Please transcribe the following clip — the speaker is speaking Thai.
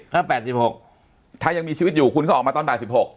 ก็แปดสิบหกถ้ายังมีชีวิตอยู่คุณก็ออกมาตอนใดสิบหก